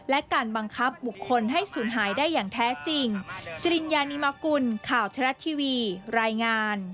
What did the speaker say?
และการบังคับบุคคลให้สูญหายได้อย่างแท้จริง